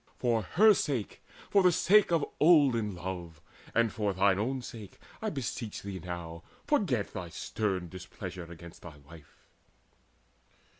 For her sake, for the sake of olden love, And for thine own sake, I beseech thee now, Forget thy stern displeasure against thy wife."